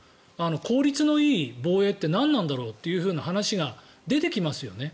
効率のいい防衛ってなんなんだろうという話が出てきますよね。